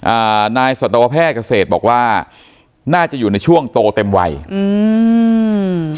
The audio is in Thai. อ่านายสัตวแพทย์เกษตรบอกว่าน่าจะอยู่ในช่วงโตเต็มวัยอืม